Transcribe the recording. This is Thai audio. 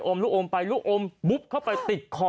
ลูกอมไปลูกอมปุ๊บเข้าไปติดคอ